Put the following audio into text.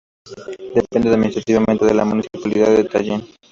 Depende administrativamente de la Municipalidad de Tallin.